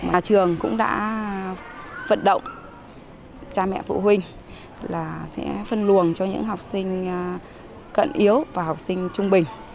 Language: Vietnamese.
nhà trường cũng đã vận động cha mẹ phụ huynh là sẽ phân luồng cho những học sinh cận yếu và học sinh trung bình